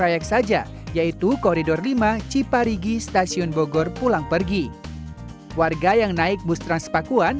proyek saja yaitu koridor lima ciparigi stasiun bogor pulang pergi warga yang naik bus transpakuan